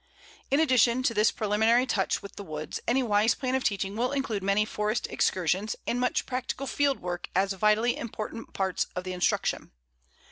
In addition to this preliminary touch with the woods, any wise plan of teaching will include many forest excursions and much practical field work as vitally important parts of the instruction.